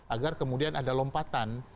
agar kemudian ada lompatan